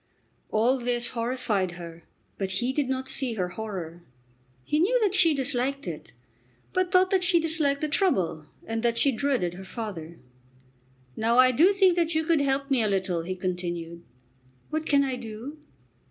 All this horrified her, but he did not see her horror. He knew that she disliked it, but thought that she disliked the trouble, and that she dreaded her father. "Now I do think that you could help me a little," he continued. "What can I do?"